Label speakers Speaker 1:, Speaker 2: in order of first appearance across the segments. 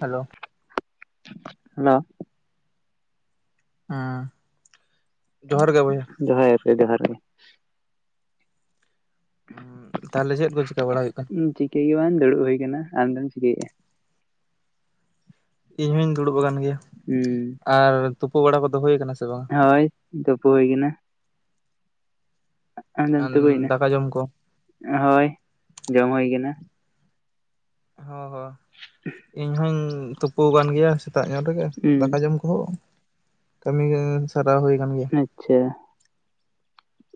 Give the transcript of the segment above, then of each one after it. Speaker 1: Hello
Speaker 2: hello
Speaker 1: ᱦᱮᱸ ᱡᱚᱦᱟᱨ ᱜᱮ ᱵᱚᱭᱦᱟ
Speaker 2: ᱡᱚᱦᱟᱨᱠ [unintelligible] ᱡᱚᱦᱟᱨ ᱜᱮ
Speaker 1: ᱚᱸ ᱛᱟᱦᱚᱞᱮ ᱪᱮᱫ ᱠᱚ ᱪᱮᱠᱟᱹ ᱵᱟᱲᱟ ᱦᱩᱭᱩᱜ ᱠᱟᱱᱟ᱾
Speaker 2: ᱪᱤᱠᱟᱹᱭ ᱜᱮ ᱵᱟᱝ ᱫᱩᱲᱩᱵ ᱦᱩᱭ ᱟᱠᱟᱱᱟ᱾ ᱟᱢ ᱫᱚᱢ ᱪᱤᱠᱟᱹᱭᱮᱫᱼᱟ?
Speaker 1: ᱤᱧ ᱦᱚᱧ ᱫᱩᱲᱩᱵ ᱟᱠᱟᱱ ᱜᱮᱭᱟ᱾
Speaker 2: ᱦᱩᱸ
Speaker 1: ᱟᱨ ᱛᱩᱯᱩ ᱵᱟᱲᱟ ᱠᱚᱫᱚ ᱦᱩᱭᱩᱭᱟ ᱟᱠᱟᱱᱟ ᱥᱮ ᱵᱟᱝᱟ?
Speaker 2: ᱛᱯᱚ ᱦᱩᱭ ᱠᱟᱱᱟ᱾ ᱟᱫᱚᱢ
Speaker 1: ᱟᱨ
Speaker 2: ᱛᱩᱯᱩᱭ ᱱᱟ?
Speaker 1: ᱫᱟᱠᱟ ᱡᱚᱢ ᱠᱚ
Speaker 2: ᱦᱳᱭ ᱡᱚᱢ ᱦᱩᱭ ᱠᱟᱱᱟ᱾
Speaker 1: ᱦᱚᱸ ᱦᱚᱸ ᱤᱧ ᱦᱩᱧ ᱛᱩᱯᱩ ᱟᱠᱟᱱ ᱜᱮᱭᱟ ᱥᱮᱛᱟᱜ ᱧᱚᱜ ᱨᱮᱜᱮ
Speaker 2: ᱦᱩᱸ
Speaker 1: ᱫᱟᱠᱟ ᱡᱚᱢ ᱠᱟᱹᱢᱤ ᱜᱮ ᱥᱟᱨᱟᱣ ᱦᱩᱭ ᱟᱠᱟᱱ ᱜᱮᱭᱟ
Speaker 2: ᱟᱪᱷᱟ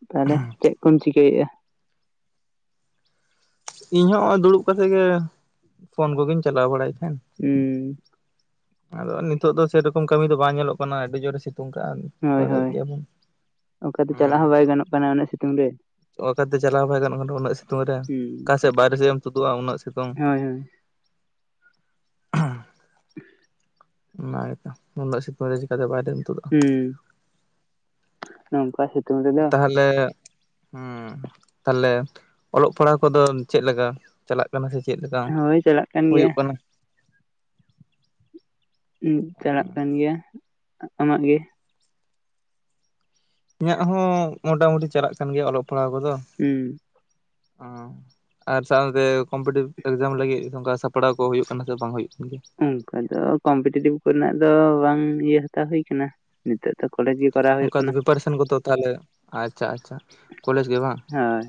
Speaker 2: ᱛᱟᱦᱚᱞᱮ ᱪᱮᱫ ᱠᱚᱢ ᱪᱤᱠᱟᱹᱭᱮᱫᱼᱟ
Speaker 1: ᱤᱧ ᱦᱚᱸ ᱱᱚᱜᱚᱭ ᱫᱩᱲᱩᱵ ᱠᱟᱛᱮ ᱜᱮ ᱯᱷᱳᱱ ᱠᱚᱜᱮᱧ ᱪᱟᱞᱟᱣ ᱵᱟᱲᱟᱭᱮᱫ ᱛᱟᱦᱮᱱ
Speaker 2: ᱦᱮᱸ
Speaker 1: ᱟᱫᱚ ᱱᱤᱛᱚᱜ ᱫᱚ ᱥᱮᱨᱚᱠᱚᱢ ᱠᱟᱹᱢᱤ ᱫᱚ ᱵᱟᱝ ᱧᱮᱞᱚᱜ ᱠᱟᱱᱟ ᱟᱹᱰᱤ ᱡᱳᱨᱮ ᱥᱤᱛᱩᱝ ᱠᱟᱜᱼᱟ
Speaker 2: ᱦᱳᱭ
Speaker 1: ᱵᱟᱲᱟᱭᱮᱫ
Speaker 2: ᱦᱳᱭ
Speaker 1: ᱜᱮᱭᱟᱵᱚᱱ
Speaker 2: ᱚᱠᱟᱛᱮ ᱪᱟᱞᱟᱜ ᱦᱚᱸ
Speaker 1: ᱦᱮᱸ
Speaker 2: ᱵᱟᱭ ᱜᱟᱱᱚᱜ ᱠᱟᱱᱟ ᱩᱱᱟ. ᱜ ᱥᱤᱛᱩᱝ ᱨᱮ
Speaker 1: ᱚᱠᱟᱛᱮ ᱪᱟᱞᱟᱣ ᱵᱟᱭ ᱜᱟᱱᱚᱜ ᱠᱟᱱᱟ ᱩᱱᱟᱹᱜ ᱥᱤᱛᱩᱝ ᱨᱮ
Speaker 2: ᱦᱩᱸ
Speaker 1: ᱚᱠᱟᱥᱮᱫ ᱵᱟᱨᱨᱮ ᱥᱮᱫ ᱮᱢ ᱛᱩᱫᱩᱜᱼᱟ ᱩᱱᱟᱹᱜ ᱥᱤᱛᱩᱝ
Speaker 2: ᱦᱳᱭ ᱦᱳᱭ [inaudible]
Speaker 1: ᱚᱱᱟ ᱜᱮᱛᱚ ᱩᱱᱟᱹᱜ ᱥᱤᱛᱩᱝ ᱨᱮ ᱪᱮᱠᱟᱛᱮ ᱵᱟᱭᱨᱮᱢ ᱛᱩᱫᱟᱜ
Speaker 2: ᱦᱩᱸ ᱱᱚᱝᱠᱟ ᱥᱤᱛᱩᱝ ᱨᱮᱫᱚ
Speaker 1: ᱛᱟᱞᱮᱸ ᱦᱩᱸ ᱛᱟᱦᱚᱞᱮ ᱚᱞᱚᱜ ᱯᱟᱲᱦᱟᱜ ᱠᱚᱫᱚᱢ ᱪᱮᱫ ᱞᱮᱠᱟ ᱪᱟᱞᱟᱜ ᱠᱟᱱᱟ ᱠᱟᱱᱟ ᱥᱮ ᱪᱮᱫ ᱞᱮᱠᱟ
Speaker 2: ᱦᱳᱭ ᱪᱟᱞᱟᱜ ᱠᱟᱱ ᱜᱮᱭᱟ
Speaker 1: ᱦᱩᱭᱩᱜ ᱠᱟᱱᱟ
Speaker 2: ᱩᱸᱜ ᱪᱟᱞᱟᱜ ᱠᱟᱱ ᱜᱮᱭᱟ ᱟᱢᱟᱜ ᱜᱮ
Speaker 1: ᱤᱧᱟᱹᱜ ᱦᱚᱸ ᱢᱚᱴᱢᱩᱴᱤ ᱪᱟᱞᱟᱜ ᱠᱟᱱ ᱜᱮᱭᱟ ᱚᱞᱚᱜ ᱯᱟᱲᱦᱟᱣ ᱠᱚᱫᱚ
Speaker 2: ᱦᱩᱸ
Speaker 1: ᱦᱚᱸ ᱟᱨ ᱥᱟᱶ ᱛᱮ ᱠᱚᱢᱯᱤᱴᱤᱮᱴᱤᱵᱽ ᱮᱠᱡᱟᱢ ᱞᱟᱹᱜᱤᱫ ᱝᱠᱟ ᱥᱟᱯᱲᱟᱣ ᱠᱚ ᱦᱩᱭᱩᱜ ᱠᱟᱱᱟ ᱥᱮ ᱵᱟᱝ ᱦᱩᱭᱩᱜ ᱠᱟᱱ ᱜᱮᱭᱟ
Speaker 2: ᱚᱱᱠᱟ ᱫᱚ ᱠᱚᱢᱯᱤᱴᱤᱮᱴᱤᱵ ᱠᱚᱨᱮᱱᱟᱜ ᱫᱚ ᱵᱟᱝ ᱤᱭᱟᱹ ᱦᱟᱛᱟᱣ ᱦᱩᱭᱩ ᱟᱠᱟᱱᱟ ᱱᱤᱛᱚᱛᱚ ᱠᱚᱞᱮᱡ ᱜᱮ ᱠᱚᱨᱟᱣ ᱦᱩᱭᱩᱜ
Speaker 1: ᱚᱱᱠᱟ ᱫᱚ
Speaker 2: ᱠᱟᱱᱟ
Speaker 1: ᱯᱨᱤᱯᱟᱨᱮᱥᱮᱱ ᱠᱚᱫᱚ ᱛᱟᱦᱚᱞᱮ ᱟᱪᱪᱷᱟ ᱟᱪᱪᱷᱟ ᱠᱚᱞᱮᱡᱽ ᱜᱮ ᱵᱟᱝ
Speaker 2: ᱦᱳᱭ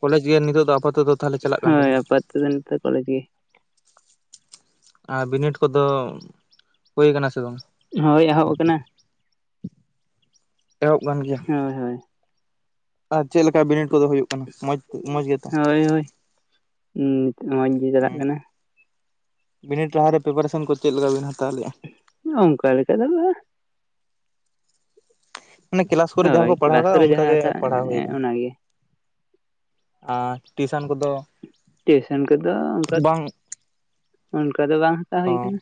Speaker 1: ᱠᱚᱞᱮᱡ ᱜᱮ ᱱᱤᱛᱚᱜᱜ ᱫᱚ ᱟᱯᱟᱛᱚᱫᱚ
Speaker 2: ᱦᱳᱭ ᱟᱯᱛᱚ ᱛᱮ ᱫᱚ ᱱᱤᱛᱚᱜ ᱠᱚᱞᱮᱡᱽ ᱜᱮ
Speaker 1: ᱟᱨ ᱵᱤᱱᱤᱰ ᱠᱚᱫᱚ ᱦᱩᱭ ᱟᱠᱟᱱᱟ ᱥᱮ ᱵᱟᱝ
Speaker 2: ᱦᱳᱭ ᱮᱦᱚᱵ ᱟᱠᱟᱱᱟ
Speaker 1: ᱮᱦᱚᱵ ᱜᱟᱱ ᱜᱮᱭᱟ
Speaker 2: ᱦᱳᱭ ᱦᱳᱭ
Speaker 1: ᱟᱨ ᱪᱮᱫ ᱞᱮᱠᱟ ᱵᱤᱱᱤᱰ ᱠᱚᱫᱚ ᱦᱩᱭᱩᱜ ᱠᱟᱱᱟ ᱢᱚᱸᱡᱽ ᱢᱚᱸᱡᱽ ᱜᱮᱛᱚ?
Speaker 2: ᱦᱳᱭ ᱦᱳᱭ ᱱᱤᱛᱚᱜ ᱢᱚᱸᱡᱽ ᱜᱮ ᱪᱟᱞᱟᱜ ᱠᱟᱱᱟ
Speaker 1: ᱵᱤᱱᱤᱰ ᱞᱟᱦᱟᱨᱮ ᱯᱨᱤᱯᱟᱨᱮᱥᱚᱱ ᱠᱚ ᱪᱮᱫ ᱞᱮᱠᱟ ᱵᱤᱱ ᱦᱟᱛᱟᱣ ᱞᱮᱫᱼᱟ
Speaker 2: ᱚᱱᱠᱟ ᱞᱮᱠᱟ ᱫᱚ ᱵᱟᱝ
Speaker 1: ᱢᱟᱱᱮ ᱠᱮᱞᱟᱥ ᱠᱚᱨᱮ ᱡᱟᱦᱟᱸ
Speaker 2: ᱦᱳᱭ
Speaker 1: ᱠᱚ ᱯᱟᱲᱦᱟᱣ
Speaker 2: ᱠᱮᱞᱟᱥ
Speaker 1: ᱟᱠᱟᱫᱟ
Speaker 2: ᱠᱚᱨᱮ ᱡᱟᱦᱟᱸ
Speaker 1: ᱚᱱᱠᱟᱜᱮ
Speaker 2: ᱦᱟᱛᱟᱣ
Speaker 1: ᱯᱟᱲᱦᱟᱣ ᱦᱩᱭ ᱟᱠᱟᱱᱟ
Speaker 2: ᱚᱱᱟᱜᱮ
Speaker 1: ᱟᱨ ᱴᱤᱭᱩᱥᱮᱱ ᱠᱚᱫᱚ
Speaker 2: ᱴᱤᱭᱩᱥᱚᱱ ᱠᱚᱫᱚ ᱚᱱᱠᱟ
Speaker 1: ᱵᱟᱝ
Speaker 2: ᱚᱱᱠᱟ ᱫᱚ ᱵᱟᱝ ᱦᱟᱛᱟᱣ
Speaker 1: ᱚ
Speaker 2: ᱦᱩᱭ ᱟᱠᱟᱱᱟ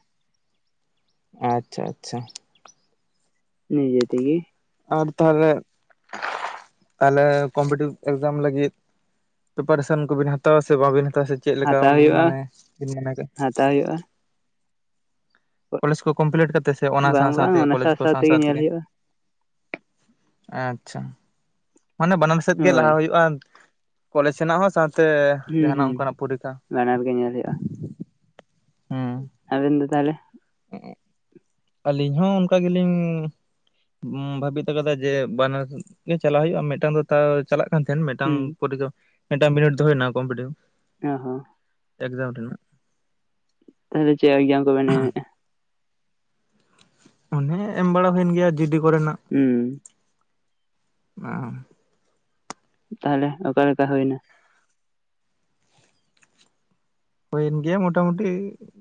Speaker 1: ᱟᱪᱪᱷᱟ ᱟᱪᱪᱷᱟ
Speaker 2: ᱱᱤᱡᱮᱛᱮᱜᱮ
Speaker 1: ᱟᱨ ᱛᱟᱦᱚᱞᱮ ᱛᱟᱦᱚᱞᱮ ᱠᱚᱢᱯᱤᱴᱤᱵᱽ ᱮᱠᱡᱟᱢ ᱞᱟᱹᱜᱤᱫ ᱯᱮᱯᱟᱨᱮᱥᱚᱱ ᱠᱚᱵᱤᱱ ᱦᱟᱛᱟᱣᱟ ᱥᱮ ᱵᱟᱵᱤᱱ ᱦᱟᱛᱟᱣᱟ ᱥᱮ ᱪᱮᱫᱠᱟ
Speaker 2: ᱦᱟᱛᱟᱣ ᱦᱩᱭᱩᱜᱼᱟ
Speaker 1: ᱢᱟᱱᱮ ᱵᱤᱱ ᱢᱚᱱᱮ ᱠᱟᱜ
Speaker 2: ᱦᱟᱛᱟᱣ ᱦᱩᱭᱩᱜᱼᱟ
Speaker 1: ᱠᱚᱞᱮᱡᱽ ᱠᱚ ᱠᱚᱢᱯᱞᱤᱴ ᱠᱟᱛᱮ ᱥᱮ ᱚᱱᱟ ᱥᱟᱶ
Speaker 2: ᱵᱟᱝ ᱵᱟᱝ
Speaker 1: ᱥᱟᱶᱛᱮᱜᱮ
Speaker 2: ᱚᱱᱟ
Speaker 1: ᱠᱚᱞᱮᱡᱽ ᱠᱚ ᱥᱟᱶ ᱥᱟᱶ
Speaker 2: ᱧᱮᱞ
Speaker 1: ᱛᱮᱜᱮ
Speaker 2: ᱦᱩᱭᱩᱜᱼᱟ
Speaker 1: ᱟᱪᱪᱷᱟ ᱢᱟᱱᱮ ᱵᱟᱱᱟᱨ ᱥᱮᱫ ᱜᱮ ᱞᱟᱦᱟ
Speaker 2: ᱦᱳᱭ
Speaker 1: ᱦᱩᱭᱩᱜᱼᱟ ᱠᱚᱞᱮᱡᱽ ᱥᱮᱱᱟᱜ ᱦᱚᱸ ᱥᱟᱶᱛᱮ
Speaker 2: ᱦᱩᱸ
Speaker 1: ᱡᱟᱦᱟᱱᱟᱜ
Speaker 2: ᱦᱩᱸ
Speaker 1: ᱚᱱᱠᱟᱱᱟᱜ ᱯᱚᱨᱤᱠᱷᱟ
Speaker 2: ᱵᱟᱱᱟᱨ ᱜᱮ ᱧᱮᱞ ᱦᱳᱭᱳᱼᱟ
Speaker 1: ᱦᱩᱸ
Speaker 2: ᱟᱮᱱ ᱫᱚ ᱛᱟᱦᱚᱞᱮ
Speaker 1: ᱦᱮᱸ ᱟᱹᱞᱤᱧ ᱦᱚᱸ ᱚᱱᱠᱟ ᱜᱮᱞᱤᱧ ᱵᱷᱟᱵᱤᱤᱛ ᱟᱠᱟᱫᱟ ᱡᱮ ᱵᱟᱱᱟᱨ ᱜᱮ ᱪᱟᱞᱟ ᱦᱩᱭᱩᱜᱜᱼᱟ ᱢᱤᱫᱴᱟᱝ ᱫᱚ ᱪᱟᱞᱟᱜ ᱠᱟᱱ ᱛᱟᱦᱮᱱ ᱢᱤᱫᱴᱟᱝ
Speaker 2: ᱦᱩᱸ
Speaker 1: ᱯᱚᱨᱤ ᱫᱚ ᱢᱤᱫᱴᱟᱝ ᱵᱤᱱᱤᱴ ᱫᱚᱦᱚᱭᱱᱟ ᱠᱚᱢᱯᱴᱤᱭᱩ
Speaker 2: ᱚ ᱦᱚᱸ
Speaker 1: ᱮᱠᱡᱟᱢ ᱨᱮᱱᱟᱜ
Speaker 2: ᱟᱵᱤᱱ ᱫᱚ ᱪᱮᱫ ᱮᱠᱡᱟᱢ ᱠᱚ ᱵᱮᱱ ᱮᱢᱮᱜᱼᱟ
Speaker 1: ᱚᱱᱮ ᱮᱢ ᱵᱟᱲᱟ ᱦᱩᱭᱮᱱ ᱜᱮᱭᱟ ᱡᱤ ᱰᱤ ᱠᱚᱨᱮᱱᱟᱜ
Speaker 2: ᱩᱸ
Speaker 1: ᱟ
Speaker 2: ᱛᱟᱦᱚᱞᱮ ᱚᱠᱟᱞᱮᱠᱟ ᱦᱩᱭᱱᱟ?
Speaker 1: ᱦᱩᱭᱮᱱ ᱜᱮᱭᱟ ᱢᱚᱴᱟᱢᱩᱴᱤ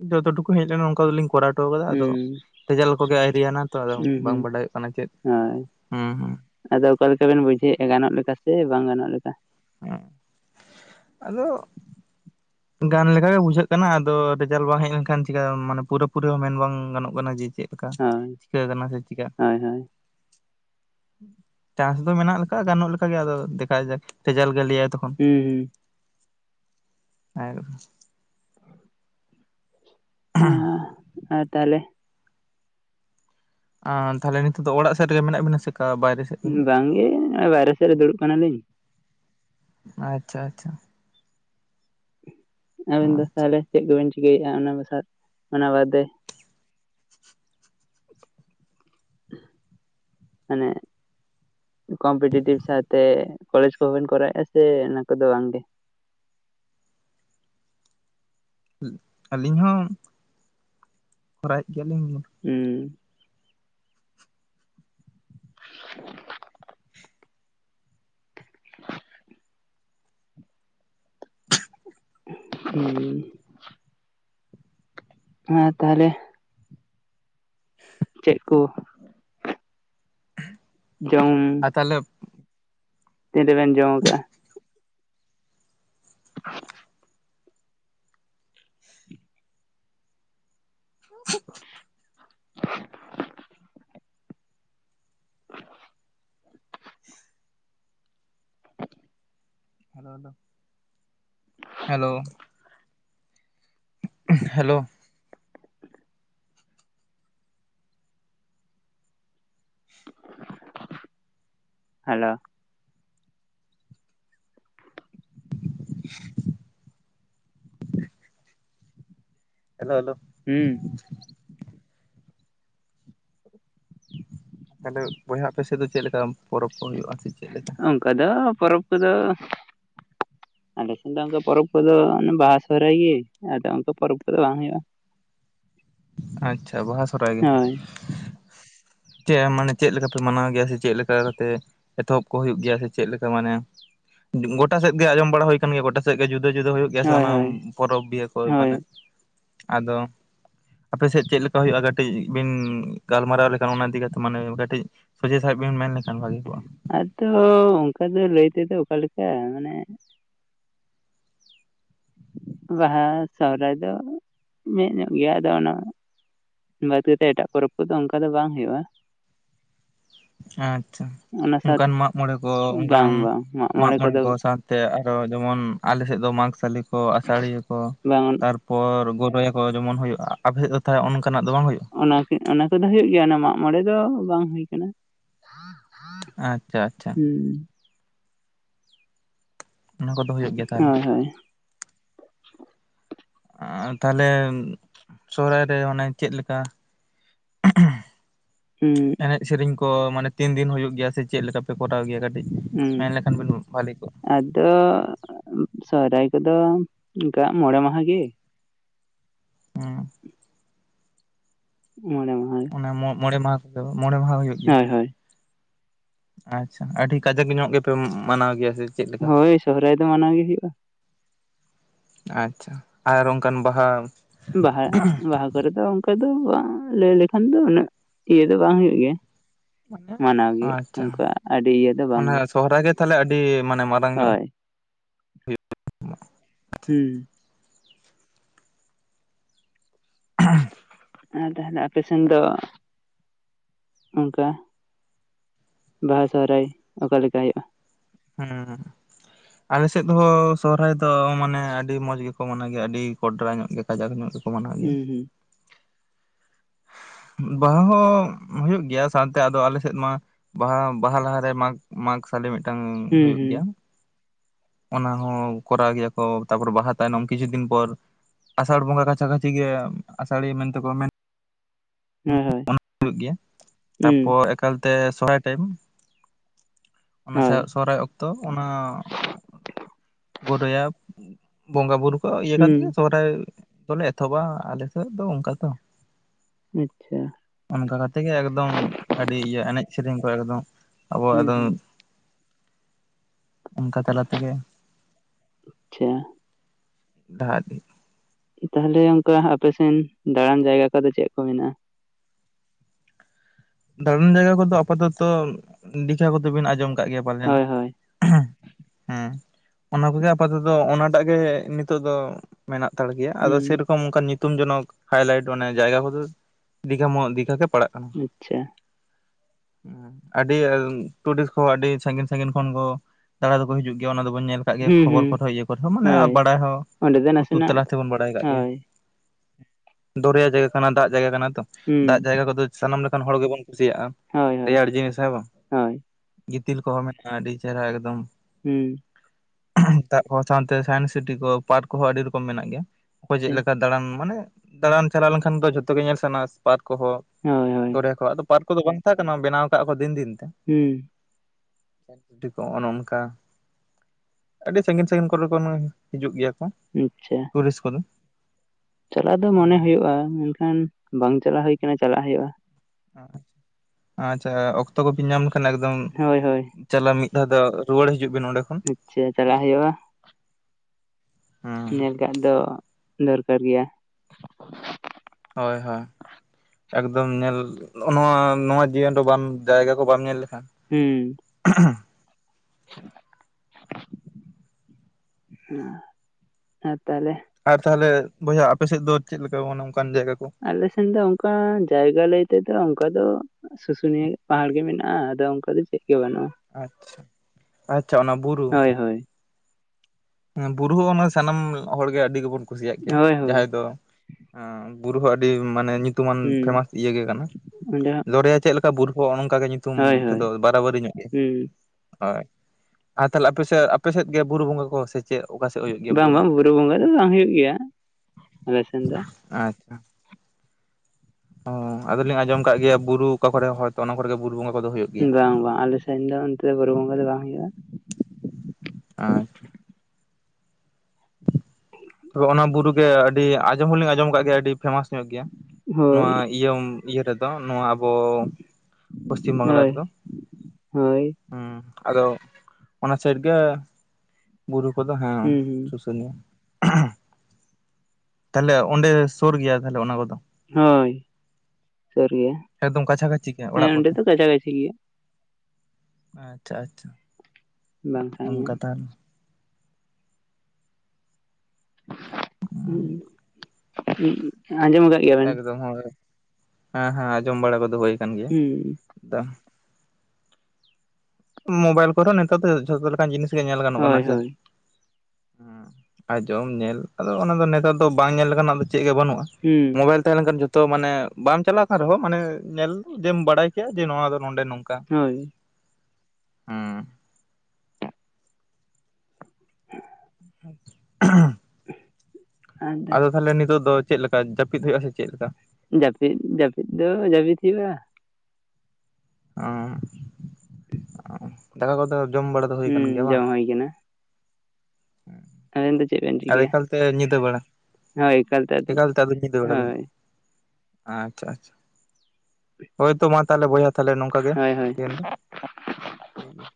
Speaker 1: ᱡᱚᱛᱚ ᱴᱩᱠᱩ ᱦᱮᱡ ᱞᱮᱱᱟ ᱚᱱᱠᱟ ᱫᱚᱞᱤᱧ ᱠᱚᱨᱟᱣ ᱟᱫᱚ
Speaker 2: ᱦᱩᱸ
Speaker 1: ᱨᱮᱡᱟᱞ ᱠᱚᱜᱮ ᱟᱹᱨᱤᱭᱟᱱᱟ ᱛᱚ ᱟᱫᱚ
Speaker 2: ᱦᱩᱸ
Speaker 1: ᱵᱟᱝ
Speaker 2: ᱦᱩᱸ
Speaker 1: ᱵᱟᱰᱟᱭᱚᱜ ᱠᱟᱱᱟ ᱪᱮᱫ
Speaker 2: ᱦᱳᱭ
Speaker 1: ᱦᱚᱸ ᱦᱚᱸ᱾
Speaker 2: ᱟᱫᱚ ᱚᱠᱟ ᱞᱮᱠᱟ ᱵᱮᱱ ᱵᱩᱡᱷᱟᱹᱣᱮᱫᱼᱟ ᱜᱟᱱᱚᱜ ᱞᱮᱠᱟ ᱥᱮ ᱵᱟᱝ ᱜᱟᱱᱚᱜ ᱞᱮᱠᱟ?
Speaker 1: ᱦᱮᱸ᱾ ᱟᱫᱚ ᱜᱟᱱ ᱞᱮᱠᱟ ᱜᱮ ᱵᱩᱡᱷᱟᱹᱜ ᱠᱟᱱᱟ, ᱟᱫᱚ ᱨᱮᱡᱟᱞ ᱵᱟᱝ ᱦᱮᱡ ᱞᱮᱱᱠᱷᱟᱱ ᱪᱮᱠᱟ ᱢᱟᱱᱮ ᱯᱩᱨᱟᱹ ᱯᱩᱨᱟᱹ ᱢᱮᱱ ᱵᱟᱝ ᱜᱟᱱᱚᱜ ᱠᱟᱱᱟ ᱡᱮ ᱪᱮᱫ ᱞᱮᱠᱟ
Speaker 2: ᱦᱳᱭ
Speaker 1: ᱪᱤᱠᱟᱹ ᱠᱟᱱᱟ ᱥᱮ ᱪᱤᱠᱟ᱾
Speaker 2: ᱦᱳᱭ ᱦᱳᱭ
Speaker 1: ᱪᱟᱱᱥ ᱫᱚ ᱢᱮᱱᱟᱜ ᱞᱮᱠᱟ ᱜᱟᱱᱚᱜ ᱞᱮᱠᱟᱜᱮ ᱟᱫᱚ ᱫᱮᱠᱷᱟ ᱡᱟᱠ ᱨᱮᱡᱟᱞ ᱜᱮ ᱞᱟᱹᱭᱟᱭ ᱛᱚᱠᱷᱚᱱ᱾
Speaker 2: ᱦᱩᱸ ᱦᱩᱸ᱾
Speaker 1: ᱟᱨ
Speaker 2: ᱚ ᱟᱨ ᱛᱟᱦᱚᱞᱮ
Speaker 1: ᱟ ᱛᱟᱦᱚᱞᱮ ᱱᱤᱛᱚᱜ ᱫᱚ ᱚᱲᱟᱜ ᱥᱮᱫ ᱨᱮᱜᱮ ᱢᱮᱱᱟᱜ ᱵᱮᱱᱟ ᱪᱮᱠᱟ ᱵᱟᱭᱨᱮ ᱥᱮᱫ ᱵᱤᱱ
Speaker 2: ᱵᱟᱝᱜᱮ ᱵᱟᱭᱮᱨᱮ ᱥᱮᱫ ᱨᱮ ᱫᱩᱲᱩᱵ ᱠᱟᱱᱟᱞᱤᱧ
Speaker 1: ᱟᱪᱪᱷᱟ ᱟᱪᱪᱷᱟ᱾
Speaker 2: ᱟᱵᱤᱱ ᱫᱚ
Speaker 1: ᱟᱪᱪᱷᱟ
Speaker 2: ᱛᱟᱦᱚᱞᱮ ᱪᱮᱫ ᱠᱚᱵᱤᱱ ᱪᱤᱠᱟᱹᱭᱮᱫᱼᱟ ᱚᱱᱟ ᱵᱟᱠᱷᱟ ᱚᱱᱟ ᱵᱟᱫᱮ ᱢᱟᱱᱮ ᱠᱚᱢᱯᱤᱴᱤᱮᱴᱤᱵ ᱥᱟᱶᱛᱮ ᱠᱚᱞᱮᱡᱽ ᱠᱚᱦᱚᱸ ᱵᱮᱱ ᱠᱚᱨᱟᱣᱮᱫᱼᱟ ᱥᱮ ᱚᱱᱟ ᱠᱚᱫᱚ ᱵᱟᱝᱜᱮ?
Speaker 1: ᱟᱹᱞᱤᱧ ᱦᱚᱸ ᱠᱚᱨᱟᱭᱮᱫ ᱜᱮᱭᱟᱞᱤᱧ᱾
Speaker 2: ᱦᱮᱸ᱾ [inaudible] ᱦᱩᱸ᱾ ᱦᱮᱸ ᱛᱟᱦᱚᱞᱮ ᱪᱮᱫ ᱠᱚ? ᱡᱚᱢ
Speaker 1: ᱟ ᱛᱟᱦᱚᱞᱮ
Speaker 2: ᱛᱤᱱ ᱨᱮᱵᱮᱱ ᱡᱚᱢ ᱟᱠᱟᱫᱼᱟ? [inaudible]
Speaker 1: [inaudible]
Speaker 2: [inaudible]
Speaker 1: ᱦᱚᱞᱟ ᱫᱚ hello. Hello.
Speaker 2: Hello.
Speaker 1: [inaudible] Hello hello.
Speaker 2: ᱦᱩᱸ᱾ ᱦᱩᱸ᱾
Speaker 1: ᱛᱟᱦᱚᱞᱮ ᱵᱚᱭᱦᱟ ᱟᱯᱮ ᱥᱮᱫ ᱫᱚ ᱪᱮᱫ ᱞᱮᱠᱟ ᱯᱚᱨᱚᱵᱽ ᱠᱚ ᱦᱩᱭᱩᱜᱼᱟ ᱥᱮ ᱪᱮᱫ ᱞᱮᱠᱟ?
Speaker 2: ᱟᱞᱮ ᱦᱚᱸ ᱯᱚᱨᱚᱵᱽ ᱠᱚᱫᱚ ᱟᱞᱮᱥᱮᱫ ᱫᱚ ᱚᱱᱠᱟ ᱯᱚᱨᱚᱵᱽ ᱠᱚᱫᱚ ᱵᱟᱦᱟ ᱥᱚᱦᱚᱨᱟᱭ ᱜᱮ ᱟᱫᱚ ᱚᱱᱠᱟ ᱯᱚᱨᱚᱵᱽ ᱠᱚᱫᱚ ᱵᱟᱝ ᱦᱩᱭᱩᱜᱼᱟ᱾
Speaker 1: ᱟᱪᱪᱷᱟ᱾ ᱵᱟᱦᱟ ᱥᱚᱦᱚᱨᱟᱭ ᱜᱮ᱾
Speaker 2: ᱦᱳᱭ
Speaker 1: ᱡᱮ ᱢᱟᱱᱮ ᱪᱮᱫ ᱞᱮᱠᱟ ᱯᱮ ᱢᱟᱱᱟᱣ ᱜᱮᱭᱟ ᱥᱮ ᱪᱮᱫ ᱞᱮᱠᱟ ᱠᱟᱛᱮ? ᱮᱛᱚᱦᱚᱵ ᱠᱚ ᱦᱩᱭᱩᱜ ᱜᱮᱭᱟ ᱥᱮ ᱪᱮᱫ ᱞᱮᱠᱟ ᱢᱟᱱᱮ ᱜᱚᱴᱟ ᱥᱮᱫ ᱜᱮ ᱟᱸᱡᱚᱢ ᱵᱟᱲᱟ ᱦᱩᱭ ᱠᱟᱱ ᱜᱮᱭᱟ ᱜᱚᱴᱟ ᱥᱮᱫ ᱜᱮ ᱡᱩᱫᱟᱹ ᱡᱩᱫᱟᱹ ᱦᱩᱭᱩᱜ ᱜᱮ
Speaker 2: ᱦᱳᱭ
Speaker 1: ᱥᱮ ᱚᱱᱟ
Speaker 2: ᱦᱳᱭ
Speaker 1: ᱯᱚᱨᱚᱵᱽ ᱵᱤᱦᱟᱹ ᱠᱚ ᱢᱟᱱᱮ
Speaker 2: ᱦᱳᱭ
Speaker 1: ᱟᱫᱚ ᱟᱯᱮᱥᱮᱫ ᱪᱮᱫ ᱞᱮᱠᱟ ᱦᱩᱭᱩᱜᱼᱟ᱾ ᱠᱟᱹᱴᱤᱡ ᱵᱤᱱ ᱜᱟᱞᱢᱟᱨᱟᱣ ᱞᱮᱠᱷᱟᱱ ᱚᱱᱟ ᱤᱫᱤ ᱠᱟᱛᱮᱫ ᱢᱟᱱᱮ ᱠᱟᱹᱴᱤᱡ ᱥᱚᱡᱷᱮ ᱥᱟᱦᱮᱵ ᱵᱮᱱ ᱢᱮᱱ ᱞᱮᱠᱷᱟᱱ ᱵᱷᱟᱹᱜᱤ ᱠᱚᱜᱼᱟ᱾
Speaker 2: ᱟᱫᱚ ᱚᱱᱠᱟ ᱫᱚ ᱞᱟᱹᱭ ᱛᱮᱫᱚ ᱚᱠᱟᱞᱮᱠᱟ ᱢᱟᱱᱮ ᱵᱟᱦᱟ ᱥᱚᱦᱚᱨᱟᱭ ᱫᱚ ᱢᱤᱫ ᱧᱚᱜ ᱜᱮᱭᱟ ᱟᱫᱚ ᱚᱱᱟ ᱵᱟᱫ ᱠᱟᱛᱮᱫ ᱮᱴᱟᱜ ᱯᱚᱨᱚᱵᱽ ᱠᱚᱫᱚ ᱚᱱᱠᱟ ᱫᱚ ᱵᱟᱝ ᱦᱩᱭᱩᱜᱼᱟ᱾
Speaker 1: ᱟᱪᱪᱷᱟ,
Speaker 2: ᱚᱱᱟ ᱥᱟᱶ
Speaker 1: ᱚᱱᱠᱟᱱ ᱢᱟᱜ ᱢᱚᱬᱮ ᱠᱚ ᱚᱱᱠᱟᱱ
Speaker 2: ᱵᱟᱝ ᱵᱟᱝ
Speaker 1: ᱢᱟᱜ ᱢᱚᱬᱮ
Speaker 2: ᱠᱚᱫᱚ
Speaker 1: ᱠᱚ ᱥᱟᱶᱛᱮ ᱛᱮ ᱟᱨᱚ ᱡᱮᱢᱚᱱ ᱟᱞᱮᱥᱮᱫ ᱫᱚ ᱢᱟᱜᱽᱥᱟᱞᱤ ᱠᱚ ᱟᱥᱟᱲᱤᱭᱟᱹ ᱠᱚ
Speaker 2: ᱵᱟᱝ
Speaker 1: ᱛᱟᱨ ᱯᱚᱨ ᱜᱚᱨᱭᱟ ᱠᱚ ᱡᱮᱢᱚᱱ ᱦᱩᱭᱩᱜᱼᱟ᱾ ᱟᱯᱮ ᱥᱮᱫ ᱫᱚ ᱛᱟᱦᱚᱞᱮ ᱚᱱᱠᱟᱱᱟᱜ ᱫᱚ ᱵᱟᱝ ᱦᱩᱭᱩᱜᱼᱟ?
Speaker 2: ᱚᱱᱟ ᱚᱱᱟ ᱠᱚᱫᱚ ᱦᱩᱭᱩᱜ ᱜᱮᱭᱟ ᱢᱟᱜ ᱢᱚᱬᱮ ᱫᱚ ᱵᱟᱝ ᱦᱩᱭ ᱠᱟᱱᱟ
Speaker 1: ᱟᱪᱪᱷᱟ ᱟᱪᱪᱷᱟ
Speaker 2: ᱦᱩᱸ
Speaker 1: ᱚᱱᱟ ᱠᱚᱫᱚ ᱦᱳᱭᱳᱜ ᱜᱮᱭᱟ ᱛᱟᱦᱚᱞᱮ
Speaker 2: ᱦᱳᱭ ᱦᱳᱭ
Speaker 1: ᱛᱟᱦᱚᱞᱮ ᱥᱚᱨᱦᱟᱭ ᱨᱮ ᱦᱩᱱᱟ. ᱝ ᱪᱮᱫᱞᱮᱠᱟ
Speaker 2: [unintelligible]
Speaker 1: ᱮᱱᱮᱡ ᱥᱮᱨᱮᱧ ᱠᱚ ᱢᱟᱱᱮ ᱛᱤᱱ ᱫᱤᱱ ᱦᱩᱭᱩᱜ ᱜᱮᱭᱟ ᱥᱮ ᱪᱮᱜ ᱞᱮᱠᱟᱯᱮ ᱯᱚᱴᱟᱣ ᱜᱮᱭᱟ ᱠᱟᱹᱴᱤᱡ
Speaker 2: ᱦᱩᱸ
Speaker 1: ᱢᱮᱱ ᱞᱮᱠᱷᱟᱱ ᱵᱮᱱ ᱵᱷᱟᱹᱞᱤ ᱠᱚᱜᱼᱟ?
Speaker 2: ᱟᱫᱚ ᱥᱚᱨᱦᱟᱭ ᱠᱚᱫᱚ ᱜᱟᱜ ᱢᱚᱬᱮ ᱢᱟᱦᱟ ᱜᱮ
Speaker 1: [unintelligible]
Speaker 2: ᱢᱚᱸᱬᱮᱢᱟᱸᱦᱟ
Speaker 1: [unintelligible] ᱢᱚᱜ ᱢᱚᱬᱮ ᱢᱟᱦᱟᱸ ᱠᱚᱜᱮ ᱢᱚᱬᱮ ᱢᱟᱦᱟ ᱦᱩᱭᱩᱜ ᱜᱮᱭᱟ
Speaker 2: ᱦᱳᱭ ᱦᱳᱭ
Speaker 1: ᱟᱪᱪᱷᱟ ᱟᱹᱰᱤ ᱠᱟᱡᱟᱠ ᱧᱚᱜ ᱜᱮᱯᱮ ᱢᱟᱱᱟᱣ ᱜᱮᱭᱟ ᱥᱮ ᱪᱮᱫ ᱞᱮᱠᱟ
Speaker 2: ᱦᱳᱭ ᱥᱚᱦᱨᱟᱭ ᱫᱚ ᱢᱟᱱᱟᱣ ᱜᱮ ᱦᱩᱭᱩᱜᱼᱟ
Speaker 1: ᱟᱪᱪᱷᱟ ᱟᱨ ᱚᱱᱠᱟᱱ ᱵᱟᱦᱟ
Speaker 2: ᱵᱟᱦᱟ ᱵᱟᱦᱟ ᱠᱚᱨᱮ ᱫᱚ ᱚᱱᱠᱟ ᱫᱚ ᱵᱟᱝ ᱞᱟᱹᱭ ᱞᱮᱠᱷᱟᱱ ᱫᱚ ᱩᱱᱟᱹᱜ ᱤᱭᱟᱹᱣ ᱫᱚ ᱵᱟᱝ ᱦᱩᱭᱩᱜ ᱜᱮᱭᱟ
Speaker 1: ᱢᱟᱱᱮ
Speaker 2: ᱢᱟᱱᱟᱣ ᱜᱮ
Speaker 1: ᱟᱪᱪᱷᱟ
Speaker 2: ᱚᱱᱠᱟ ᱟᱹᱰᱤ ᱤᱭᱟᱹ ᱫᱚ ᱵᱟᱝᱜᱮ
Speaker 1: ᱚᱱᱟ ᱥᱚᱦᱨᱟᱭ ᱜᱮ ᱛᱟᱦᱚᱞᱮ ᱟᱹᱰᱤ ᱢᱟᱱᱮ ᱢᱟᱨᱟᱝ ᱧᱚᱜ
Speaker 2: ᱦᱚᱭ ᱦᱩᱸ ᱟᱨ ᱛᱟᱞᱦᱮ ᱟᱯᱮᱥᱮᱱ ᱫᱚ ᱚᱱᱠᱟ ᱵᱟᱦᱟ ᱥᱚᱦᱨᱟᱭ ᱚᱠᱟᱞᱮᱠᱟ ᱦᱩᱭᱩᱜᱼᱟ
Speaker 1: ᱦᱩᱸ ᱟᱞᱮᱥᱮᱫ ᱦᱳ ᱥᱚᱨᱦᱟᱭ ᱫᱚ ᱢᱟᱱᱮ ᱟᱹᱰᱤ ᱢᱚᱸᱡᱽ ᱜᱮᱠᱚ ᱢᱟᱱᱟ ᱜᱮᱭᱟ ᱟᱹᱰᱤ ᱠᱚᱰᱨᱟ ᱧᱚᱜ ᱜᱮ ᱠᱟᱡᱟᱠ ᱧᱚᱸᱜ ᱜᱮᱠᱚ ᱢᱟᱱᱟᱣ ᱜᱮᱭᱟ
Speaker 2: ᱦᱩᱸ ᱦᱩᱸ
Speaker 1: ᱵᱟᱦᱟ ᱦᱚᱸ ᱦᱩᱭᱩᱜ ᱜᱮᱭᱟ ᱥᱟᱶᱛᱮ ᱟᱫᱚ ᱟᱞᱮᱥᱮᱫ ᱢᱟ ᱵᱟᱦᱟ ᱵᱟᱦᱟ ᱞᱟᱦᱟᱨᱮ ᱢᱟᱜᱽ ᱢᱟᱜᱽ ᱥᱟᱰᱮ ᱢᱤᱫᱴᱟᱝ
Speaker 2: ᱦᱩᱸ
Speaker 1: ᱦᱳᱭᱳᱜ
Speaker 2: ᱦᱩᱸ
Speaker 1: ᱜᱮᱭᱟ ᱚᱱᱟ ᱦᱚᱸ ᱠᱚᱨᱟᱣ ᱜᱮᱭᱟ ᱠᱚ ᱛᱟᱯᱚᱨᱮ ᱵᱟᱦᱟ ᱛᱟᱭᱱᱚᱢ ᱠᱤᱪᱷᱩ ᱫᱤᱱ ᱯᱚᱨ ᱟᱥᱟᱲ ᱵᱚᱸᱜᱟ ᱠᱟᱪᱷᱟ ᱠᱟᱪᱷᱤ ᱜᱮ ᱟᱥᱟᱲᱤ ᱢᱮᱱᱛᱮ ᱠᱚ ᱢᱮᱱ
Speaker 2: ᱦᱳᱭ ᱦᱳᱭ
Speaker 1: ᱚᱱᱟ [inaudible] ᱦᱩᱭᱩᱜ ᱜᱮᱭᱟ
Speaker 2: ᱦᱩᱸ
Speaker 1: ᱛᱟᱯᱚ ᱮᱠᱟᱞᱛᱮ ᱥᱚᱨᱦᱟᱭ ᱴᱟᱭᱤᱢ ᱚᱱᱟ
Speaker 2: ᱦᱳᱭ
Speaker 1: ᱥᱚᱭᱚᱜ ᱥᱚᱨᱦᱟᱭ ᱚᱠᱛᱚ ᱚᱱᱟ ᱜᱚᱰᱳᱭᱟᱯ ᱵᱚᱸᱜᱟ ᱵᱩᱨᱩ ᱠᱚ ᱤᱭᱟᱹ ᱠᱟᱛᱮᱜ
Speaker 2: ᱦᱩᱸ
Speaker 1: ᱜᱮ ᱥᱚᱦᱚᱨᱟᱭ ᱫᱚᱞᱮ ᱮᱛᱚᱦᱚᱵᱟ ᱟᱞᱮᱥᱮᱫ ᱫᱚ ᱚᱱᱠᱟ ᱛᱚ
Speaker 2: ᱟᱪᱪᱷᱟ
Speaker 1: ᱚᱱᱠᱟ ᱠᱟᱛᱮ ᱜᱮ ᱮᱠᱫᱚᱢ ᱟᱹᱰᱤ ᱤᱭᱟ. ᱮᱱᱮᱡ ᱥᱮᱨᱮᱧ ᱠᱚ ᱮᱠᱫᱚᱢ ᱟᱵᱚᱣᱟᱜ
Speaker 2: ᱦᱩᱸ
Speaker 1: ᱮᱫᱚᱢ
Speaker 2: ᱦᱩᱸ
Speaker 1: ᱚᱱᱠᱟ ᱛᱟᱞᱟ ᱛᱮᱜᱮ
Speaker 2: ᱟᱪᱪᱷᱟ
Speaker 1: ᱰᱟᱦᱟᱜ ᱰᱤᱦᱤᱜ
Speaker 2: ᱛᱟᱦᱚᱞᱮ ᱚᱱᱠᱟ ᱦᱟᱸᱜ ᱟᱯᱮᱥᱮᱱ ᱫᱟᱬᱟᱱ ᱡᱟᱭᱜᱟ ᱠᱚᱫᱚ ᱪᱮᱫ ᱠᱚ ᱢᱮᱱᱟᱜᱼᱟ
Speaker 1: ᱫᱟᱬᱟᱱ ᱡᱟᱭᱜᱟ ᱠᱚᱫᱚ ᱟᱯᱟᱛᱚᱛᱚ ᱫᱤᱜᱷᱟ ᱠᱚᱛᱚ ᱵᱮᱱ ᱟᱡᱚᱢ ᱠᱟᱜ ᱜᱮᱭᱟ ᱯᱟᱞᱮᱱ
Speaker 2: ᱦᱳᱭ ᱦᱳᱭ
Speaker 1: ᱦᱮᱸ ᱚᱱᱟ ᱠᱚᱜᱮ ᱟᱯᱟᱛᱚᱛᱚ ᱚᱱᱟᱴᱟᱜ ᱜᱮ ᱱᱤᱛᱚᱜ ᱫᱚ ᱢᱮᱱᱟᱜ ᱛᱟᱲ ᱜᱮᱮᱭᱟ ᱟᱫᱚ
Speaker 2: ᱦᱩᱸ
Speaker 1: ᱥᱮᱨ ᱚᱢ ᱚᱱᱠᱟᱱ ᱧᱩᱛᱩᱢ ᱡᱚᱱᱚᱠ ᱦᱟᱭᱞᱟᱭᱤᱴᱚᱸᱱᱮ ᱡᱟᱭᱜᱟ ᱠᱚᱫᱚ ᱫᱤᱜᱷᱟ ᱢᱚᱜ ᱫᱤᱜᱷᱟ ᱜᱮ ᱯᱟᱲᱟᱜ ᱠᱟᱱᱟ᱾
Speaker 2: ᱟᱪᱪᱷᱟ
Speaker 1: ᱟᱹᱰᱤ ᱴᱩᱰᱤᱥ ᱠᱚᱦᱚ ᱟᱹᱰᱤ ᱥᱟᱺᱜᱤᱱ ᱥᱟᱺᱜᱤᱱ ᱠᱷᱚᱱ ᱠᱚ ᱫᱟᱬᱟ ᱫᱚᱠᱚ ᱦᱤᱡᱩᱜ ᱜᱮᱭᱟ ᱚᱱᱟ ᱫᱚᱵᱚᱱ ᱧᱮᱞ ᱟᱠᱟᱜ ᱜᱮᱭᱟ
Speaker 2: ᱦᱩᱸ
Speaker 1: ᱠᱷᱚᱵᱚᱨ
Speaker 2: ᱦᱩᱸ
Speaker 1: ᱠᱚᱨᱮᱦᱚᱸ ᱤᱭᱟᱹ ᱠᱚᱨᱮ ᱦᱚᱸ ᱢᱟᱱᱮ
Speaker 2: ᱦᱳᱭ
Speaker 1: ᱵᱟᱰᱟᱭ ᱦᱚᱸ
Speaker 2: ᱚᱸᱰᱮ ᱫᱚ
Speaker 1: ᱞᱛᱩ
Speaker 2: ᱱᱟᱥᱮᱱᱟᱜ
Speaker 1: ᱛᱟᱞᱟ ᱛᱮᱵᱚᱱ ᱵᱟᱰᱟᱭ ᱟᱠᱟᱜ ᱜᱮᱭᱟ᱾
Speaker 2: ᱦᱳᱭ
Speaker 1: ᱫᱚᱨᱭᱟ ᱡᱟᱭᱜᱟ ᱠᱟᱱᱟ ᱫᱟᱜ ᱡᱟᱭᱜᱟ ᱠᱟᱱᱟ ᱛᱚ
Speaker 2: ᱦᱩᱸ
Speaker 1: ᱫᱟᱜ ᱡᱟᱭᱜᱟ ᱠᱚᱫᱚ ᱥᱟᱱᱟᱢ ᱞᱮᱠᱟᱱ ᱦᱚᱲ ᱜᱮᱵᱚᱱ ᱠᱩᱥᱤᱭᱟᱜᱼᱟ᱾
Speaker 2: ᱦᱳᱭ ᱦᱳᱭ
Speaker 1: ᱨᱮᱭᱟᱲ ᱡᱤᱱᱤᱥ ᱦᱮ ᱵᱟᱝ?
Speaker 2: ᱦᱳᱭ
Speaker 1: ᱜᱤᱛᱤᱞ ᱠᱚᱦᱚᱸ ᱢᱮᱱᱟᱜᱼᱟ ᱟᱹᱰᱤ ᱪᱮᱦᱨᱟ ᱮᱠᱫᱚᱢ,
Speaker 2: ᱦᱩᱸ
Speaker 1: ᱫᱟᱜ ᱠᱚ ᱥᱟᱶ ᱛᱮ ᱥᱟᱭᱮᱱᱥ ᱥᱤᱴᱤ ᱠᱚ ᱯᱟᱨᱠ ᱠᱚᱦᱚᱸ ᱟᱹᱰᱤ ᱨᱚᱠᱚᱢ ᱢᱮᱱᱟᱜ ᱜᱮᱭᱟ᱾ ᱚᱠᱚᱭ ᱪᱮᱫ
Speaker 2: ᱟᱪᱪᱷᱟ
Speaker 1: ᱞᱮᱠᱟ ᱫᱟᱬᱟᱱ ᱢᱟᱱᱮ ᱫᱟᱬᱟᱱ ᱪᱟᱞᱟᱣ ᱞᱮᱱᱠᱷᱟᱱ ᱫᱚ ᱡᱷᱚᱛᱚ ᱜᱮ ᱧᱮᱞ ᱥᱟᱱᱟᱼᱟ᱾ ᱯᱟᱨᱠ ᱠᱚᱦᱚᱸ
Speaker 2: ᱦᱳᱭ ᱦᱳᱭ
Speaker 1: ᱫᱚᱨᱭᱟ ᱠᱚᱦᱚᱸ ᱟᱫᱚ ᱯᱟᱨᱠ ᱠᱚᱫᱚ ᱵᱟᱝ ᱛᱟᱦᱮᱸ ᱠᱟᱱᱟ ᱵᱮᱱᱟᱣ ᱟᱠᱟᱫ ᱠᱚ ᱫᱤᱱ ᱫᱤᱱ ᱛᱮ᱾
Speaker 2: ᱦᱩᱸ
Speaker 1: ᱴᱤᱠ ᱚᱸᱜ ᱱᱚᱝᱠᱟ᱾ ᱟᱹᱰᱤ ᱥᱟᱺᱜᱤᱧ ᱥᱟᱺᱜᱤᱧ ᱠᱚᱨᱮᱱ ᱠᱷᱚᱱ ᱦᱤᱡᱩᱜ ᱜᱮᱭᱟ ᱠᱚ᱾
Speaker 2: ᱟᱪᱪᱷᱟ
Speaker 1: ᱴᱩᱨᱤᱥ ᱠᱚᱫᱚ᱾
Speaker 2: ᱪᱟᱞᱟᱣ ᱫᱚ ᱢᱚᱱᱮ ᱦᱳᱭᱳᱜᱼᱟ, ᱢᱮᱱᱠᱷᱟᱱ ᱵᱟᱝ ᱪᱟᱞᱟᱜ ᱦᱳᱭ ᱠᱟᱱᱟ ᱪᱟᱞᱟᱜ ᱦᱳᱭᱳᱜᱼᱟ᱾
Speaker 1: ᱟᱪᱪᱷᱟ ᱚᱠᱛᱚ ᱠᱚᱵᱤᱱ ᱧᱟᱢ ᱞᱮᱠᱷᱟᱱ ᱮᱠᱫᱚᱢ
Speaker 2: ᱦᱳᱭ ᱦᱳᱭ
Speaker 1: ᱪᱚᱞᱚ ᱢᱤᱫ ᱫᱷᱟᱣ ᱫᱚ ᱨᱩᱣᱟᱹᱲ ᱦᱤᱡᱩᱜ ᱵᱤᱱ ᱚᱸᱰᱮ ᱠᱷᱚᱱ᱾
Speaker 2: ᱪᱮ ᱪᱟᱞᱟᱜ ᱦᱩᱭᱩᱜᱼᱟ᱾
Speaker 1: ᱦᱮᱸ
Speaker 2: ᱧᱮᱞ ᱠᱟᱜ ᱫᱚ ᱫᱚᱨᱠᱟᱨ ᱜᱮᱭᱟ᱾
Speaker 1: ᱦᱳᱭ ᱦᱳᱭ᱾ ᱮᱠᱫᱚᱢ ᱧᱮᱞ ᱱᱚᱣᱟ ᱱᱚᱣᱟ ᱡᱤᱭᱚᱱ ᱨᱮ ᱵᱟᱢ ᱡᱟᱭᱜᱟ ᱠᱚ ᱵᱟᱢ ᱧᱮᱞ ᱞᱮᱠᱷᱟᱱ,
Speaker 2: ᱦᱩᱸ
Speaker 1: [unintelligible]
Speaker 2: ᱦᱮᱸ ᱛᱟᱦᱞᱮ
Speaker 1: ᱟᱨ ᱛᱟᱦᱞᱮ ᱵᱚᱭᱦᱟ ᱟᱯᱮ ᱥᱮᱫ ᱫᱚ ᱪᱮᱫ ᱞᱮᱠᱟ ᱚᱱᱠᱟᱱ ᱡᱟᱭᱜᱟ ᱠᱚ?
Speaker 2: ᱟᱞᱮ ᱥᱮᱱ ᱫᱚ ᱚᱱᱠᱟ ᱡᱟᱭᱜᱟ ᱞᱟᱹᱭ ᱛᱮᱫᱚ ᱚᱱᱠᱟ ᱫᱚ ᱥᱩᱥᱩᱱᱤᱭᱟᱹ ᱯᱟᱦᱟᱲ ᱜᱮ ᱢᱮᱱᱟᱜᱼᱟ ᱟᱫᱚ ᱚᱱᱠᱟ ᱫᱚ ᱪᱮᱫ ᱜᱮ ᱵᱟᱹᱱᱩᱜᱼᱟ᱾
Speaker 1: ᱟᱪᱪᱷᱟ ᱟᱪᱪᱷᱟ ᱚᱱᱟ ᱵᱩᱨᱩ?
Speaker 2: ᱦᱳᱭ ᱦᱳᱭ
Speaker 1: ᱵᱩᱨᱩ ᱦᱚᱸ ᱚᱱᱟ ᱥᱟᱱᱟᱢ ᱦᱚᱲ ᱜᱮ ᱟᱹᱰᱤ ᱜᱮᱵᱚᱱ ᱠᱩᱥᱤᱭᱟᱜ ᱜᱮᱭᱟ,
Speaker 2: ᱦᱳᱭ ᱦᱳᱭ
Speaker 1: ᱡᱟᱦᱟᱭ ᱫᱚ ᱟᱸ ᱵᱩᱨᱩ ᱦᱚᱸ ᱟᱹᱰᱤ ᱢᱟᱱᱮ ᱧᱩᱛᱩᱢᱟᱱ
Speaker 2: ᱦᱩᱸ
Speaker 1: ᱯᱷᱮᱢᱟᱥ ᱤᱭᱟᱹ ᱜᱮ ᱠᱟᱱᱟ
Speaker 2: ᱚᱸᱰᱮ ᱦᱚᱸ
Speaker 1: ᱫᱚᱨᱭᱟ ᱪᱮᱫ ᱵᱩᱨᱩ ᱦᱚᱸ ᱚᱱᱠᱟ ᱜᱮ ᱧᱩᱛᱩᱢ
Speaker 2: ᱦᱳᱭ ᱦᱳᱭ
Speaker 1: ᱛᱮᱫᱚ ᱵᱟᱨᱟ ᱵᱟᱹᱨᱤ ᱧᱚᱜ ᱜᱮ᱾
Speaker 2: ᱦᱩᱸ
Speaker 1: ᱦᱳᱭ ᱟᱨ ᱛᱟᱦᱞᱮ ᱟᱯᱮ ᱥᱮᱫ ᱟᱯᱮ ᱥᱮᱫ ᱜᱮ ᱵᱩᱨᱩ ᱵᱚᱸᱜᱟ ᱠᱚ ᱥᱮ ᱪᱮ ᱚᱠᱟ ᱥᱮᱫ?
Speaker 2: ᱵᱟᱝ ᱵᱟᱝ ᱵᱩᱨᱩ ᱵᱚᱸᱜᱟ ᱫᱚ ᱵᱟᱝ ᱦᱩᱭᱩᱜ ᱜᱮᱭᱟ ᱟᱞᱮ ᱥᱮᱱ ᱫᱚ᱾
Speaker 1: ᱟᱪᱪᱷᱟ ᱚ ᱟᱫᱚᱞᱤᱧ ᱟᱸᱡᱚᱢ ᱠᱟᱜ ᱜᱮᱭᱟ ᱵᱩᱨᱩ ᱚᱠᱟ ᱠᱚᱨᱮ ᱦᱚᱭᱛᱚ ᱚᱱᱟ ᱠᱚᱨᱮ ᱜᱮ ᱵᱩᱨᱩ ᱵᱚᱸᱜᱟ ᱠᱚᱫᱚ ᱦᱳᱭᱳᱜ
Speaker 2: ᱵᱟᱝ ᱵᱟᱝ ᱟᱞᱮ ᱥᱮᱱ ᱫᱚ ᱚᱱᱛᱮ ᱵᱩᱨᱩ ᱵᱚᱸᱜᱟ ᱫᱚ ᱵᱟᱝ ᱦᱩᱭᱩᱜᱼᱟ᱾
Speaker 1: ᱟᱪᱪᱷᱟ ᱟᱫᱚ ᱚᱱᱟ ᱵᱩᱨᱩ ᱜᱮ ᱟᱹᱰᱤ ᱟᱸᱡᱚᱢ ᱦᱚᱸᱞᱤᱧ ᱟᱸᱡᱚᱢ ᱠᱟᱜ ᱜᱮᱭᱟ ᱟᱹᱰᱤ ᱯᱷᱮᱢᱟᱥ ᱧᱚᱜ ᱜᱮᱭᱟ
Speaker 2: ᱦᱳᱭ
Speaker 1: ᱱᱚᱣᱟ ᱤᱭᱟᱹ ᱤᱭᱟᱹ ᱨᱮᱫᱚ ᱱᱚᱣᱟ ᱟᱵᱚ ᱯᱚᱪᱷᱤᱢ ᱵᱟᱝᱞᱟ
Speaker 2: ᱦᱳᱭ
Speaker 1: ᱨᱮᱫᱚ᱾
Speaker 2: ᱦᱳᱭ
Speaker 1: ᱦᱩᱸ ᱟᱫᱚ ᱚᱱᱟ ᱥᱟᱭᱤᱰ ᱜᱮ ᱵᱩᱨᱩ ᱠᱚᱫᱚ ᱦᱮᱸ᱾
Speaker 2: ᱦᱩᱸ ᱦᱩᱸ
Speaker 1: ᱛᱟᱦᱞᱮ ᱚᱸᱰᱮ ᱥᱳᱨ ᱜᱮᱭᱟ ᱛᱟᱦᱞᱮ ᱚᱱᱟ ᱠᱚᱫᱚ?
Speaker 2: ᱦᱳᱭ ᱥᱳᱨ ᱜᱮᱭᱟ,
Speaker 1: ᱮᱠᱫᱚᱢ ᱠᱟᱪᱷᱟ ᱠᱟᱪᱷᱤ ᱜᱮᱭᱟ ᱚᱲᱟᱜ
Speaker 2: ᱦᱮᱸ ᱚᱸᱰᱮ
Speaker 1: ᱠᱚᱫᱚ
Speaker 2: ᱫᱚ ᱠᱟᱪᱷᱟ ᱠᱟᱹᱪᱷᱤ ᱜᱮᱭᱟ᱾
Speaker 1: ᱟᱪᱪᱷᱟ ᱟᱪᱪᱷᱟ
Speaker 2: ᱵᱟᱝ ᱥᱟᱺᱜᱤᱧᱟ
Speaker 1: ᱚᱱᱠᱟ ᱛᱟᱦᱚᱞᱮ
Speaker 2: [unintelligible] ᱟᱡᱚᱢ ᱠᱟᱜ
Speaker 1: ᱮᱠᱫᱚᱢ ᱦᱳᱭ ᱦᱮᱸ ᱦᱮᱸ ᱟᱸᱡᱚᱢ ᱵᱟᱲᱟ ᱠᱚᱫᱚ ᱦᱳᱭ ᱠᱟᱱ ᱜᱮᱭᱟ
Speaker 2: ᱦᱩᱸ
Speaker 1: ᱢᱳᱵᱟᱭᱤᱞ ᱠᱚᱨᱮ ᱱᱮᱛᱟᱨ ᱫᱚ ᱡᱚᱛᱚ ᱞᱮᱠᱟᱱ ᱡᱤᱱᱤᱥ ᱜᱮ ᱧᱮᱞ ᱜᱟᱱᱚᱜ ᱠᱟᱱᱟ
Speaker 2: ᱦᱳᱭ
Speaker 1: ᱥᱮ
Speaker 2: ᱦᱳᱭ
Speaker 1: ᱟᱸᱡᱚᱢ ᱧᱮᱞ ᱟᱫᱚ ᱚᱱᱟ ᱫᱚ ᱱᱮᱛᱟᱨ ᱫᱚ ᱵᱟᱝ ᱧᱮᱞ ᱞᱮᱠᱟᱱᱟᱜ ᱫᱚ ᱪᱮᱫ ᱜᱮ ᱵᱟᱹᱱᱩᱜ-ᱟ
Speaker 2: ᱦᱩᱸ
Speaker 1: ᱢᱳᱵᱟᱭᱤᱞ ᱛᱟᱦᱮᱸ ᱞᱮᱱᱠᱷᱟᱱ ᱡᱚᱛᱚ ᱢᱟᱱᱮ ᱵᱟᱢ ᱪᱟᱞᱟᱣ ᱠᱟᱱ ᱨᱮᱦᱚᱸ ᱢᱟᱱᱮ ᱧᱮᱞ ᱡᱮᱢ ᱵᱟᱲᱟᱭ ᱠᱮᱜ-ᱟ ᱡᱮ ᱱᱚᱣᱟ ᱫᱚ ᱱᱚᱰᱮ ᱱᱚᱝᱠᱟ
Speaker 2: ᱦᱳᱭ
Speaker 1: ᱦᱩᱸ᱾ [unintelligible] ᱟᱫᱚ ᱛᱟᱦᱚᱞᱮ ᱱᱤᱛᱚᱜ ᱫᱚ ᱪᱮᱫ ᱞᱮᱠᱟ ᱡᱟᱹᱯᱤᱫ ᱦᱩᱭᱩᱜ ᱟᱥᱮ ᱪᱮᱫ ᱞᱮᱠᱟ?
Speaker 2: ᱡᱟᱹᱯᱤᱫ ᱡᱟᱹᱯᱤᱫ ᱫᱚ ᱡᱟᱹᱯᱤᱫ ᱦᱩᱭᱩᱜ-ᱟ᱾
Speaker 1: ᱚ ᱫᱟᱠᱟ ᱠᱚᱫᱚ ᱡᱚᱢ ᱵᱟᱲᱟ ᱫᱚ ᱦᱩᱭ
Speaker 2: ᱦᱩᱸ
Speaker 1: ᱟᱠᱟᱱ ᱜᱮᱭᱟ ᱵᱟᱝ
Speaker 2: ᱡᱚᱢ ᱦᱩᱭ ᱠᱟᱱᱟ᱾ ᱟᱵᱮᱱ ᱫᱚ ᱪᱮᱫ ᱵᱮᱱ
Speaker 1: ᱟᱨ
Speaker 2: ᱪᱤᱠᱟᱹᱭᱟ
Speaker 1: ᱮᱠᱟᱞᱛᱮ ᱧᱤᱫᱟᱹ ᱵᱮᱲᱟ
Speaker 2: ᱦᱳᱭ ᱟᱹᱰᱤ
Speaker 1: ᱮᱠᱟᱞᱛᱮ ᱟᱫᱚ ᱧᱤᱫᱟᱹ ᱵᱮᱲᱟ ᱵᱤᱱ
Speaker 2: ᱦᱳᱭ
Speaker 1: ᱟᱪᱪᱷᱟ ᱟᱪᱪᱷᱟ, ᱦᱳᱭ ᱛᱚ ᱢᱟ ᱛᱟᱦᱚᱞᱮ ᱵᱚᱭᱦᱟ ᱛᱟᱦᱚᱞᱮ ᱱᱚᱝ ᱠᱟᱜᱮ
Speaker 2: ᱦᱳᱭ ᱦᱳᱭ
Speaker 1: ᱛᱮᱦᱮᱧ ᱫᱚ, ᱴᱷᱤᱠ ᱜᱮᱭᱟ᱾